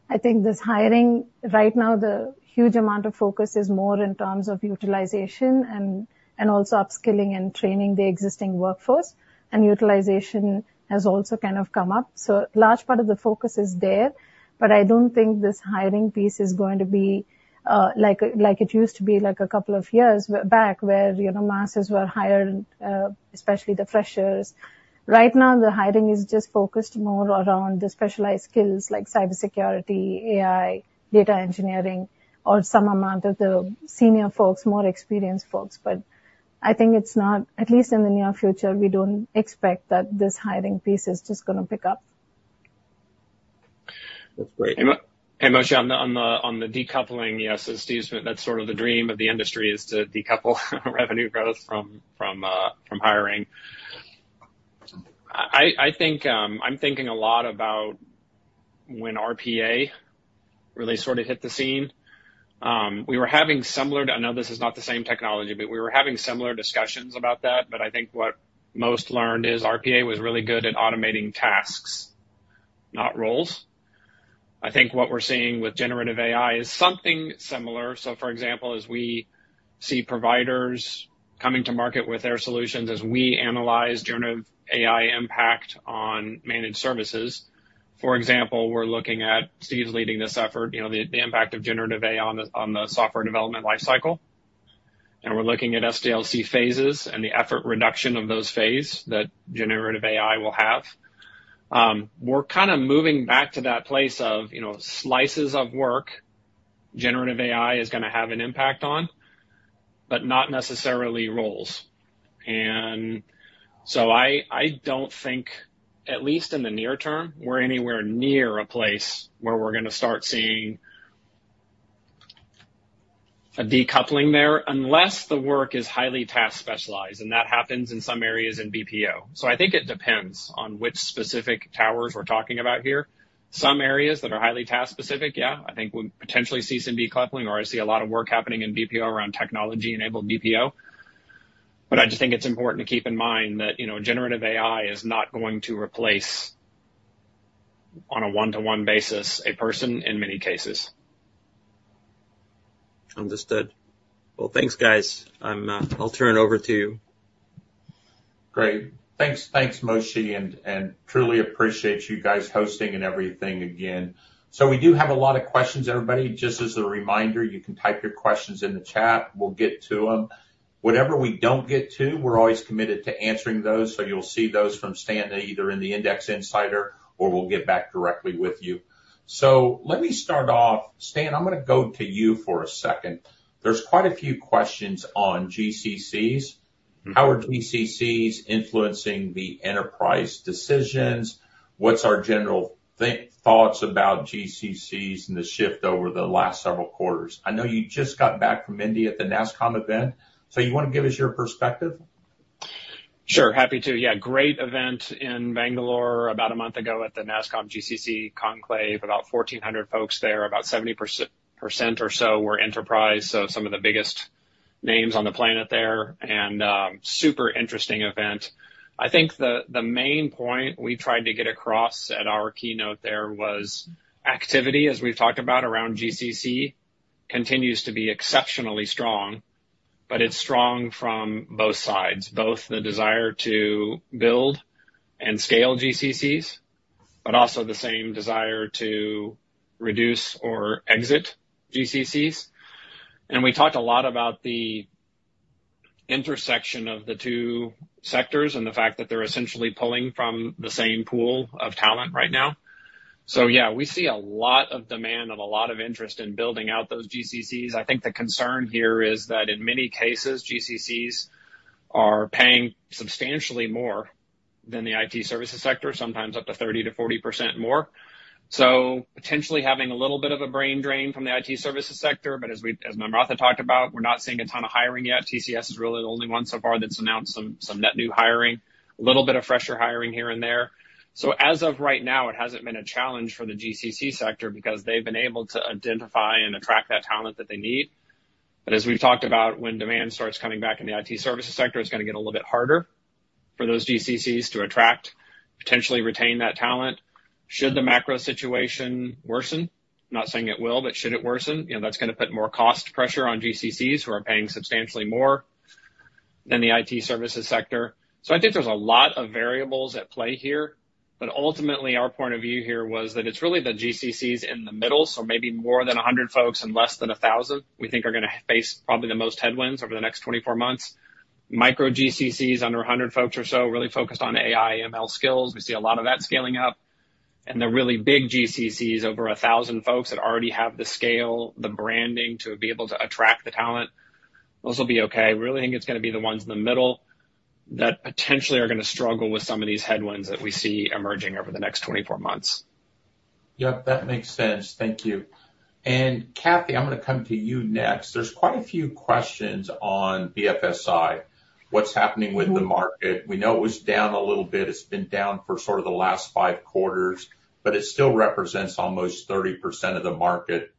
I think this hiring, right now, the huge amount of focus is more in terms of utilization and also upskilling and training the existing workforce, and utilization has also kind of come up. So a large part of the focus is there, but I don't think this hiring piece is going to be, like, like it used to be, like, a couple of years back, where, you know, masses were hired, especially the freshers. Right now, the hiring is just focused more around the specialized skills like cybersecurity, AI, data engineering, or some amount of the senior folks, more experienced folks. But I think it's not... At least in the near future, we don't expect that this hiring piece is just gonna pick up. ... That's great. And Moshe, on the decoupling, yes, as Steve said, that's sort of the dream of the industry, is to decouple revenue growth from hiring. I think I'm thinking a lot about when RPA really sort of hit the scene. We were having similar to... I know this is not the same technology, but we were having similar discussions about that. But I think what most learned is RPA was really good at automating tasks, not roles. I think what we're seeing with generative AI is something similar. So for example, as we see providers coming to market with their solutions, as we analyze generative AI impact on managed services, for example, we're looking at, Steve's leading this effort, you know, the impact of generative AI on the software development life cycle. And we're looking at SDLC phases and the effort reduction of those phases that generative AI will have. We're kinda moving back to that place of, you know, slices of work, generative AI is gonna have an impact on, but not necessarily roles. And so I, I don't think, at least in the near term, we're anywhere near a place where we're gonna start seeing a decoupling there, unless the work is highly task specialized, and that happens in some areas in BPO. So I think it depends on which specific towers we're talking about here. Some areas that are highly task specific, yeah, I think we'll potentially see some decoupling, or I see a lot of work happening in BPO around technology-enabled BPO. But I just think it's important to keep in mind that, you know, generative AI is not going to replace, on a one-to-one basis, a person in many cases. Understood. Well, thanks, guys. I'm, I'll turn it over to you. Great. Thanks, thanks, Moshe, and, and truly appreciate you guys hosting and everything again. So we do have a lot of questions, everybody. Just as a reminder, you can type your questions in the chat. We'll get to them. Whatever we don't get to, we're always committed to answering those, so you'll see those from Stan, either in the Index Insider or we'll get back directly with you. So let me start off. Stan, I'm gonna go to you for a second. There's quite a few questions on GCCs. Mm-hmm. How are GCCs influencing the enterprise decisions? What's our general thoughts about GCCs and the shift over the last several quarters? I know you just got back from India at the NASSCOM event, so you wanna give us your perspective? Sure, happy to. Yeah, great event in Bangalore about a month ago at the NASSCOM GCC Conclave. About 1,400 folks there, about 70% or so were enterprise, so some of the biggest names on the planet there, and super interesting event. I think the main point we tried to get across at our keynote there was activity, as we've talked about around GCC, continues to be exceptionally strong, but it's strong from both sides, both the desire to build and scale GCCs, but also the same desire to reduce or exit GCCs. And we talked a lot about the intersection of the two sectors and the fact that they're essentially pulling from the same pool of talent right now. So yeah, we see a lot of demand and a lot of interest in building out those GCCs. I think the concern here is that in many cases, GCCs are paying substantially more than the IT services sector, sometimes up to 30%-40% more. So potentially having a little bit of a brain drain from the IT services sector, but as Namratha talked about, we're not seeing a ton of hiring yet. TCS is really the only one so far that's announced some net new hiring, a little bit of fresher hiring here and there. So as of right now, it hasn't been a challenge for the GCC sector because they've been able to identify and attract that talent that they need. But as we've talked about, when demand starts coming back in the IT services sector, it's gonna get a little bit harder for those GCCs to attract, potentially retain that talent. Should the macro situation worsen, not saying it will, but should it worsen, you know, that's gonna put more cost pressure on GCCs, who are paying substantially more than the IT services sector. So I think there's a lot of variables at play here, but ultimately, our point of view here was that it's really the GCCs in the middle, so maybe more than 100 folks and less than 1,000, we think are gonna face probably the most headwinds over the next 24 months. Micro GCCs, under 100 folks or so, really focused on AI, ML skills. We see a lot of that scaling up. And the really big GCCs, over 1,000 folks that already have the scale, the branding to be able to attract the talent, those will be okay. I really think it's gonna be the ones in the middle that potentially are gonna struggle with some of these headwinds that we see emerging over the next 24 months. Yep, that makes sense. Thank you. And Kathy, I'm gonna come to you next. There's quite a few questions on BFSI. What's happening with the market? We know it was down a little bit. It's been down for sort of the last five quarters, but it still represents almost 30% of the market.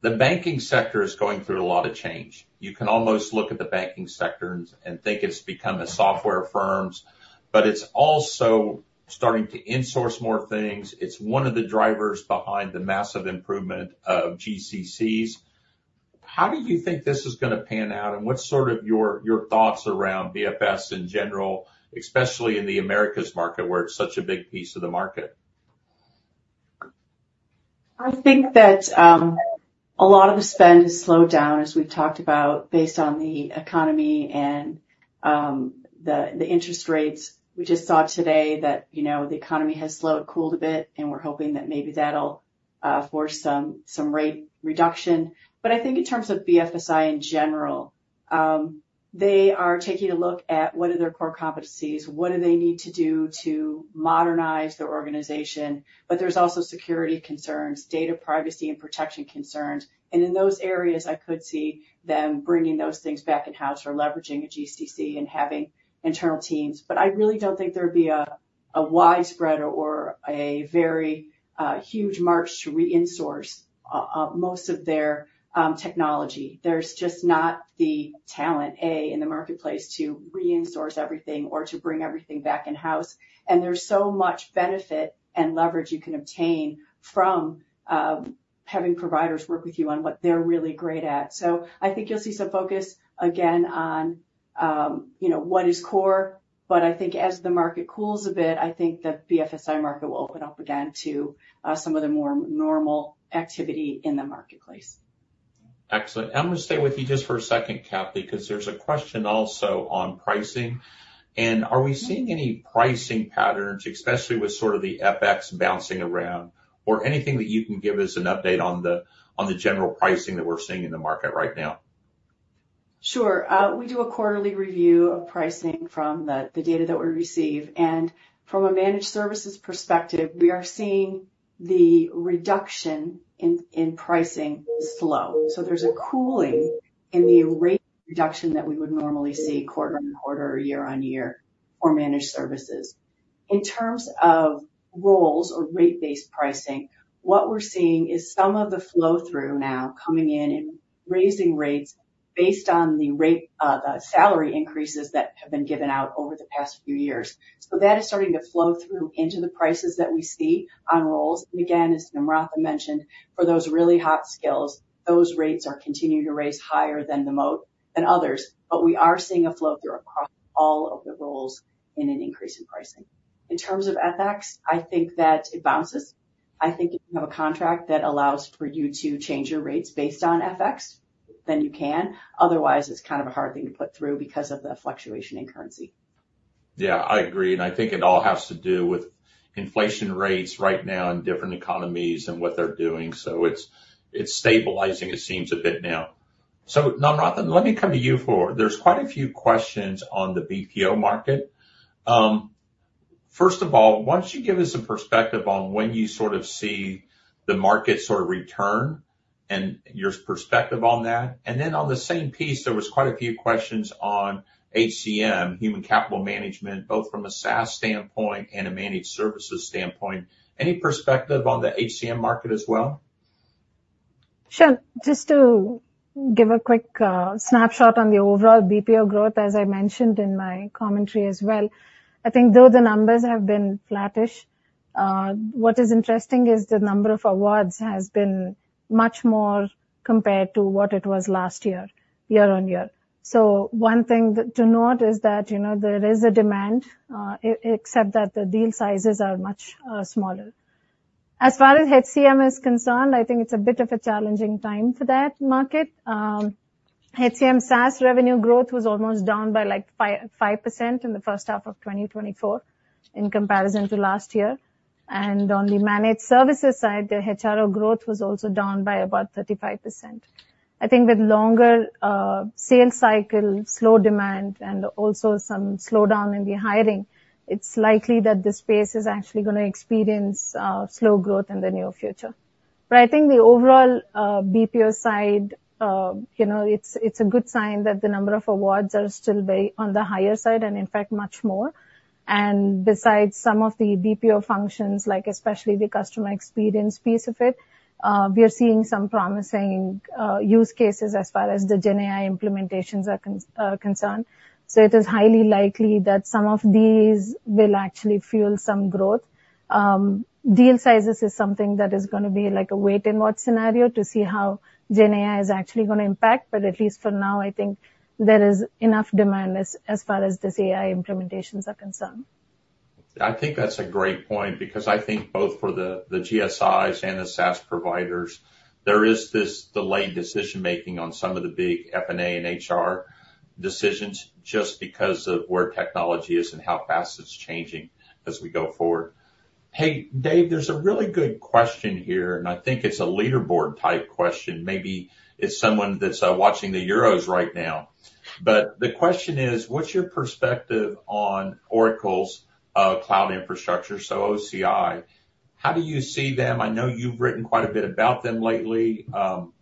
The banking sector is going through a lot of change. You can almost look at the banking sector and think it's become a software firms, but it's also starting to insource more things. It's one of the drivers behind the massive improvement of GCCs. How do you think this is gonna pan out, and what's sort of your, your thoughts around BFS in general, especially in the Americas market, where it's such a big piece of the market? I think that, a lot of the spend has slowed down, as we've talked about, based on the economy and, the interest rates. We just saw today that, you know, the economy has slowed, cooled a bit, and we're hoping that maybe that'll force some rate reduction. But I think in terms of BFSI in general, they are taking a look at what are their core competencies, what do they need to do to modernize their organization? But there's also security concerns, data privacy, and protection concerns. And in those areas, I could see them bringing those things back in-house or leveraging a GCC and having internal teams. But I really don't think there'd be a widespread or a very huge march to re-insource most of their technology. There's just not the talent in the marketplace to re-insource everything or to bring everything back in-house, and there's so much benefit and leverage you can obtain from having providers work with you on what they're really great at. So I think you'll see some focus again on, you know, what is core, but I think as the market cools a bit, I think that the FSI market will open up again to some of the more normal activity in the marketplace. Excellent. I'm gonna stay with you just for a second, Kathy, 'cause there's a question also on pricing. Are we seeing any pricing patterns, especially with sort of the FX bouncing around, or anything that you can give us an update on the general pricing that we're seeing in the market right now? Sure. We do a quarterly review of pricing from the data that we receive. And from a managed services perspective, we are seeing the reduction in pricing slow. So there's a cooling in the rate reduction that we would normally see quarter-over-quarter or year-over-year for managed services. In terms of roles or rate-based pricing, what we're seeing is some of the flow-through now coming in and raising rates based on the rate, the salary increases that have been given out over the past few years. So that is starting to flow through into the prices that we see on roles. And again, as Namratha mentioned, for those really hot skills, those rates are continuing to raise higher than others, but we are seeing a flow-through across all of the roles in an increase in pricing. In terms of FX, I think that it bounces. I think if you have a contract that allows for you to change your rates based on FX, then you can. Otherwise, it's kind of a hard thing to put through because of the fluctuation in currency. Yeah, I agree, and I think it all has to do with inflation rates right now in different economies and what they're doing. So it's, it's stabilizing, it seems, a bit now. So Namratha, let me come to you. There's quite a few questions on the BPO market. First of all, why don't you give us some perspective on when you sort of see the market sort of return and your perspective on that? And then on the same piece, there was quite a few questions on HCM, human capital management, both from a SaaS standpoint and a managed services standpoint. Any perspective on the HCM market as well? Sure. Just to give a quick snapshot on the overall BPO growth, as I mentioned in my commentary as well, I think though the numbers have been flattish, what is interesting is the number of awards has been much more compared to what it was last year, year-on-year. So one thing that to note is that, you know, there is a demand, except that the deal sizes are much smaller. As far as HCM is concerned, I think it's a bit of a challenging time for that market. HCM SaaS revenue growth was almost down by, like, 5.5% in the first half of 2024 in comparison to last year. And on the managed services side, the HRO growth was also down by about 35%. I think with longer sales cycle, slow demand, and also some slowdown in the hiring, it's likely that this space is actually gonna experience slow growth in the near future. But I think the overall BPO side, you know, it's a good sign that the number of awards are still very on the higher side, and in fact, much more. And besides, some of the BPO functions, like especially the customer experience piece of it, we are seeing some promising use cases as far as the GenAI implementations are concerned. So it is highly likely that some of these will actually fuel some growth. Deal sizes is something that is gonna be like a wait-and-watch scenario to see how GenAI is actually gonna impact, but at least for now, I think there is enough demand as far as these AI implementations are concerned. I think that's a great point because I think both for the GSIs and the SaaS providers, there is this delayed decision-making on some of the big F&A and HR decisions, just because of where technology is and how fast it's changing as we go forward. Hey, Dave, there's a really good question here, and I think it's a leaderboard-type question. Maybe it's someone that's watching the Euros right now. But the question is: What's your perspective on Oracle's cloud infrastructure, so OCI, how do you see them? I know you've written quite a bit about them lately.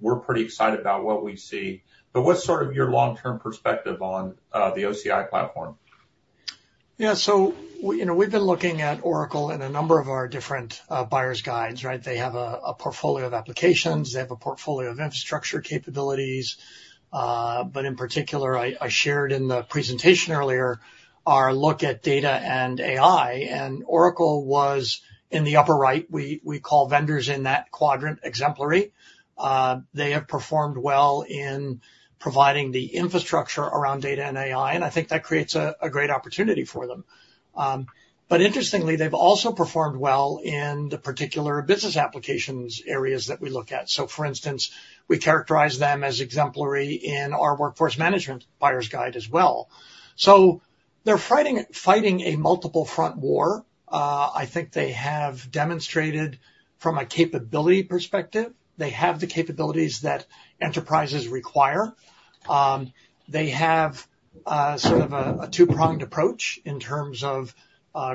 We're pretty excited about what we see, but what's sort of your long-term perspective on the OCI platform? Yeah, so you know, we've been looking at Oracle in a number of our different buyer's guides, right? They have a portfolio of applications. They have a portfolio of infrastructure capabilities. But in particular, I shared in the presentation earlier our look at data and AI, and Oracle was in the upper right. We call vendors in that quadrant exemplary. They have performed well in providing the infrastructure around data and AI, and I think that creates a great opportunity for them. But interestingly, they've also performed well in the particular business applications areas that we look at. So for instance, we characterize them as exemplary in our workforce management buyer's guide as well. So-... They're fighting, fighting a multiple front war. I think they have demonstrated from a capability perspective, they have the capabilities that enterprises require. They have sort of a two-pronged approach in terms of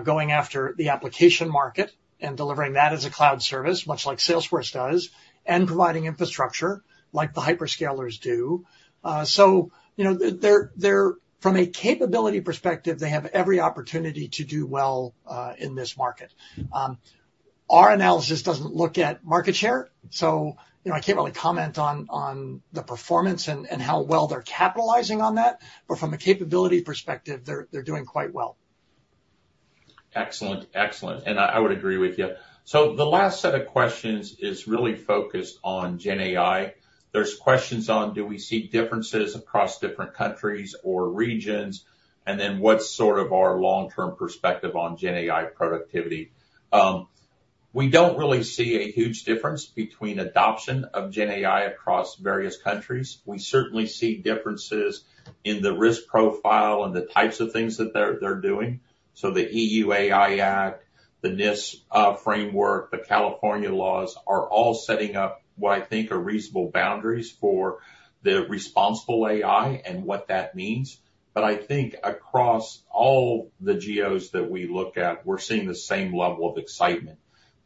going after the application market and delivering that as a cloud service, much like Salesforce does, and providing infrastructure like the hyperscalers do. So, you know, they're from a capability perspective, they have every opportunity to do well in this market. Our analysis doesn't look at market share, so, you know, I can't really comment on the performance and how well they're capitalizing on that, but from a capability perspective, they're doing quite well. Excellent, excellent. And I, I would agree with you. So the last set of questions is really focused on GenAI. There's questions on: do we see differences across different countries or regions? And then, what's sort of our long-term perspective on GenAI productivity? We don't really see a huge difference between adoption of GenAI across various countries. We certainly see differences in the risk profile and the types of things that they're, they're doing. So the EU AI Act, the NIST framework, the California laws, are all setting up what I think are reasonable boundaries for the responsible AI and what that means. But I think across all the geos that we look at, we're seeing the same level of excitement,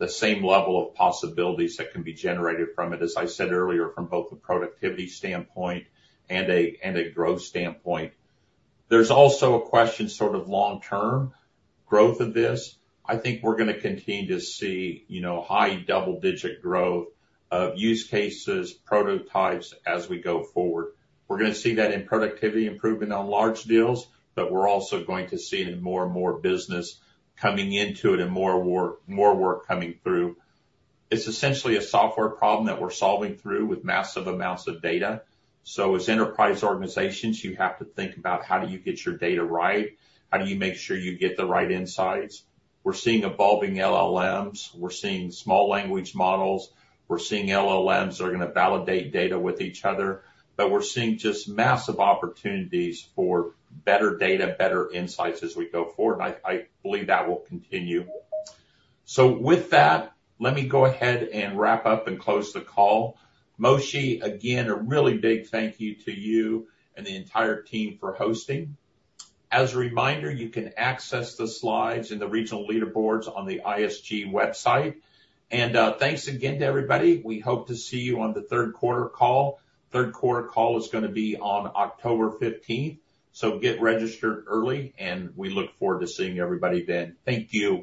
the same level of possibilities that can be generated from it, as I said earlier, from both a productivity standpoint and a, and a growth standpoint. There's also a question, sort of long-term growth of this. I think we're gonna continue to see, you know, high double-digit growth of use cases, prototypes as we go forward. We're gonna see that in productivity improvement on large deals, but we're also going to see it in more and more business coming into it and more work, more work coming through. It's essentially a software problem that we're solving through with massive amounts of data. So as enterprise organizations, you have to think about: how do you get your data right? How do you make sure you get the right insights? We're seeing evolving LLMs, we're seeing small language models. We're seeing LLMs that are gonna validate data with each other, but we're seeing just massive opportunities for better data, better insights as we go forward, and I, I believe that will continue. So with that, let me go ahead and wrap up and close the call. Moshe, again, a really big thank you to you and the entire team for hosting. As a reminder, you can access the slides and the regional leaderboards on the ISG website. Thanks again to everybody. We hope to see you on the third quarter call. Third quarter call is gonna be on October 15th, so get registered early, and we look forward to seeing everybody then. Thank you.